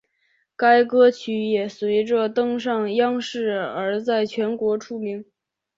该歌曲也随着登上央视而在全国出名。